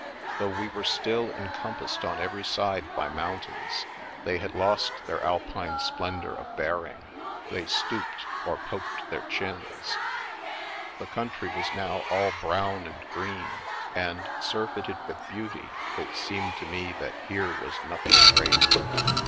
Though we were still en compassed on every side by mountains, they had lost their Alpine splendour of bearing; they stooped, or poked their chins. The country was now all brown and green ; and, surfeited with beauty, it seemed to me that here was nothing great.